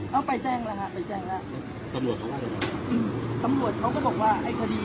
ตอนนี้กำหนังไปคุยของผู้สาวว่ามีคนละตบ